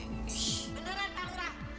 tidak tidak tidak pak